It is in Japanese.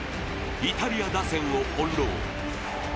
イタリア打線を翻弄。